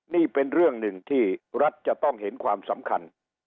นี่เป็นเรื่องหนึ่งที่รัฐจะต้องเห็นความสำคัญ